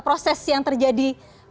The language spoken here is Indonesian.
proses yang terjadi